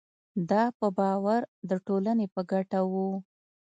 دا په باور د ټولنې په ګټه وو.